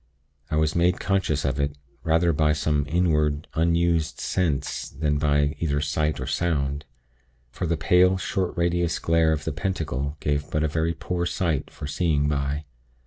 I was made conscious of it, rather by some inward, unused sense than by either sight or sound; for the pale, short radius glare of the Pentacle gave but a very poor light for seeing by.